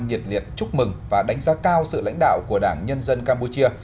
nhiệt liệt chúc mừng và đánh giá cao sự lãnh đạo của đảng nhân dân campuchia